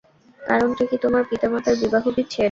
কারণটা কি তোমার পিতামাতার বিবাহবিচ্ছেদ?